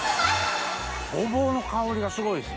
ごぼうの香りがすごいですね。